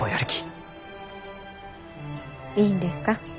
いいんですか？